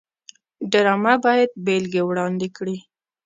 ډرامه باید بېلګې وړاندې کړي